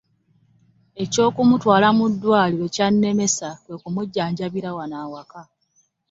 Eky'okumutwala mu ddwaliro kyannemesa kwe kumujjanjabira wano awaka.